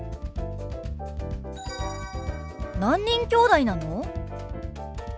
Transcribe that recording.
何人きょうだいなの？